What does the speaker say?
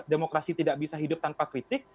demokrasi tidak bisa hidup tanpa kritik